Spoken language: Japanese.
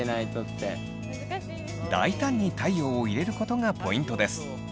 大胆に太陽を入れることがポイントです。